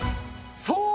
そう。